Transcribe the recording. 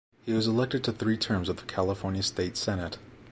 He was elected to three terms of the California State Senate.